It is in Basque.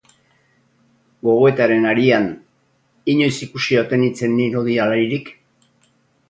Gogoetaren harian, inoiz ikusia ote nintzen ni lodi alairik?